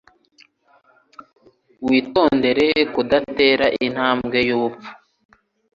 Witondere kudatera intambwe yubupfu.